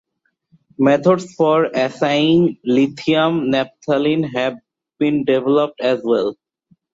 Methods for assaying lithium naphthalene have been developed as well.